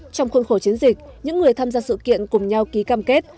trong khuôn khổ chiến dịch những người tham gia sự kiện cùng nhau ký cam kết